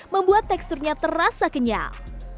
membuat teksturnya terasa kenyal